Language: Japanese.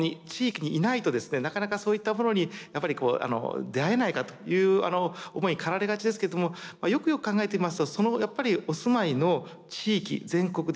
なかなかそういったものにやっぱり出会えないかという思いに駆られがちですけれどもよくよく考えてみますとやっぱりお住まいの地域全国にそれぞれのその地元でのですね